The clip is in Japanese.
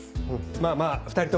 まぁまぁ２人とも。